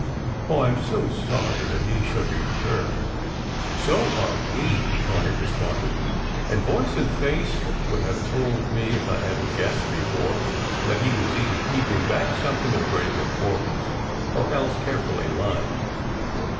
"Oh, I m so sorry that he should be hurt!" "So are we all," Tony responded; and voice and face would have told me, if I hadn t guessed before, that he was either keeping back something of grave importance, or else carefully lying.